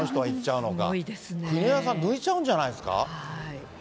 国枝さん抜いちゃうんじゃないですか。